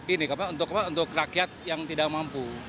ini untuk apa untuk rakyat yang tidak mampu